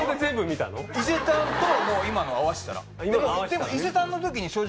伊勢丹と今の合わせたらでも。